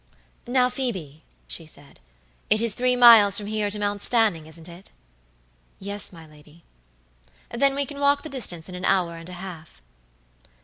"Now, Phoebe," she said, "it is three miles from here to Mount Stanning, isn't it?" "Yes, my lady." "Then we can walk the distance in an hour and a half."